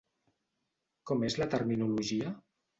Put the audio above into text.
Com és la terminologia?